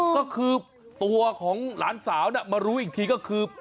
ก็คือตัวของหลานสาวมารู้อีกทีก็คือ